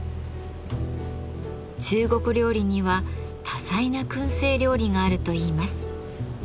中国料理には多彩な燻製料理があるといいます。